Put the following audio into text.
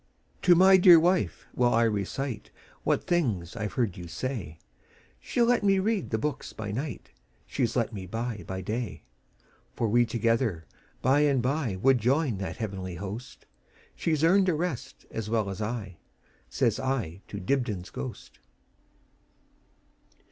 "To my dear wife will I reciteWhat things I 've heard you say; She 'll let me read the books by nightShe 's let me buy by day. For we together by and byWould join that heavenly host; She 's earned a rest as well as I,"Says I to Dibdin's ghost.